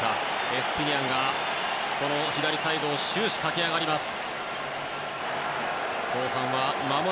エストゥピニャンが左サイドを終始駆け上がります。